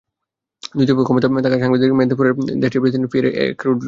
দুই দফায় ক্ষমতায় থাকার সাংবিধানিক মেয়াদ ফুরায় দেশটির প্রেসিডেন্ট পিয়েরে এনকুরুনজিজার।